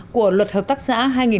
của luật hợp tác xã hai nghìn một mươi ba